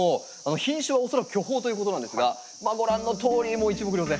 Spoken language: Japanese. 品種は恐らく巨峰ということなんですがまあご覧のとおりもう一目瞭然。